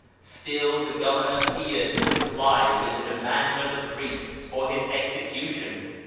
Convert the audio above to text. Still the Governor feared to comply with the demand of the priests for his execution.